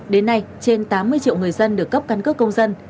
đến nay trên tám mươi triệu người dân được cấp căn cước công dân